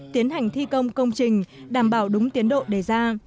tiến hành thi công công trình đảm bảo đúng tiến độ đề ra